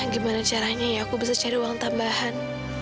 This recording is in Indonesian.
gimana caranya ya aku bisa cari uang tambahan